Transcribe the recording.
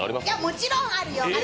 もちろんあるよ。